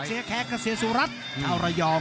เศียแคะกกับเศียสูรัตน์ครับรอยอง